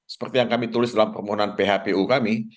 seperti yang kami tulis dalam permohonan phpu kami